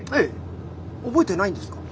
覚えてないんですか？